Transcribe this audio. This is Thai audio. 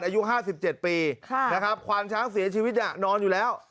อายุ๕๗ปีความช้างเสียชีวิตเนี่ยนอนอยู่แล้ว